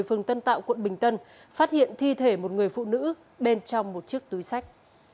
phường tân tạo quận bình tân phát hiện thi thể một người phụ nữ bên trong một chiếc túi sách